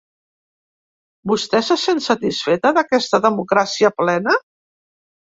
Vostè se sent satisfeta d’aquesta democràcia plena?